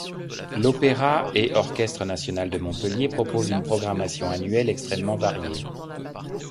L’Opéra et Orchestre National de Montpellier propose une programmation annuelle extrêmement variée.